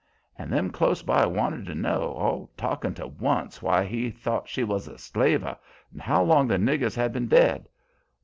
And them close by wanted to know, all talkin' to once, why he thought she was a slaver, and how long the niggers had been dead.